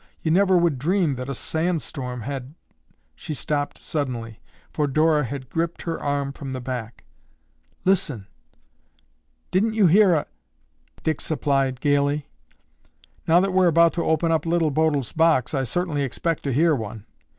You never would dream that a sand storm had—" She stopped suddenly, for Dora had gripped her arm from the back. "Listen! Didn't you hear a—" "Gun shot?" Dick supplied gaily. "Now that we're about to open up Little Bodil's box, I certainly expect to hear one.